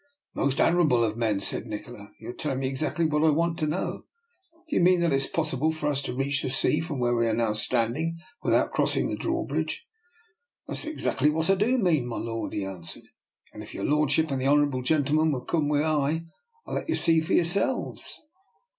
" Most admirable of men," said Nikola, " you are telling me exactly what I want to know. Do you mean that it's possible for us to reach the sea from where we are now stand ing without crossing the drawbridge? "" That is exactly what I do mean, my lord," he answered. "And if your lordship and the honourable gentleman will come wi' I, ril let 'ee see for your own selves."